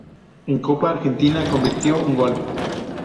En Copa Argentina convirtió un gol.